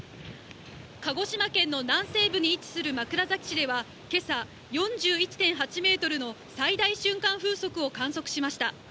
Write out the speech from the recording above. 鹿児島県の南西部に位置する枕崎市ではけさ、４１．８メートルの最大瞬間風速を観測しました。